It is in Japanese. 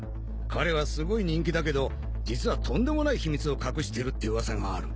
彼はすごい人気だけど実はとんでもない秘密を隠してるっていう噂がある。